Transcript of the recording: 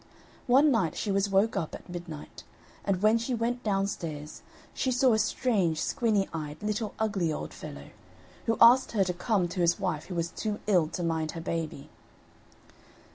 One night she was woke up at midnight, and when she went downstairs, she saw a strange squinny eyed, little ugly old fellow, who asked her to come to his wife who was too ill to mind her baby.